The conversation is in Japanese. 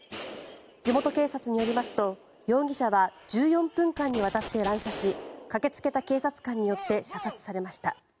地元警察によりますと、容疑者は１４分間にわたって乱射し駆けつけた警察官によって射殺されました。